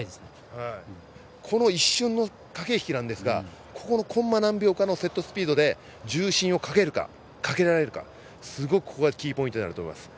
この一瞬の駆け引きなんですがここのコンマ何秒かのセットスピードで重心をかけるか、かけられるかがキーポイントになると思います。